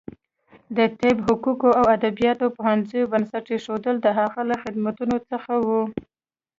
د طب، حقوقو او ادبیاتو پوهنځیو بنسټ ایښودل د هغه له خدمتونو څخه و.